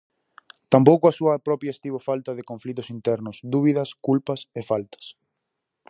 Tampouco a súa propia estivo falta de conflitos internos, dúbidas, culpas e faltas.